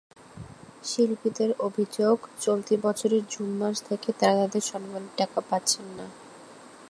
শিল্পীদের অভিযোগ, চলতি বছরের জুন মাস থেকে তাঁরা তাঁদের সম্মানীর টাকা পাচ্ছেন না।